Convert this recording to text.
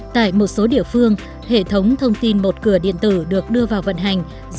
tại một số địa phương hệ thống thông tin một cửa điện tử được đưa vào vận hành